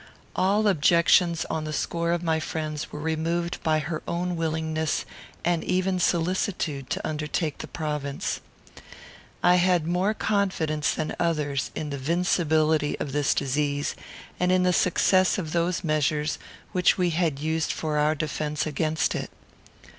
All objections on the score of my friends were removed by her own willingness and even solicitude to undertake the province. I had more confidence than others in the vincibility of this disease, and in the success of those measures which we had used for our defence against it.